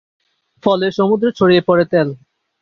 ফলে সমুদ্রে ছড়িয়ে পড়ে তেল।